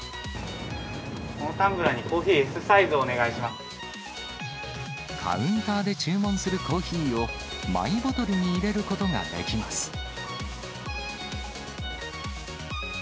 このタンブラーに、カウンターで注文するコーヒーを、マイボトルに入れることができます。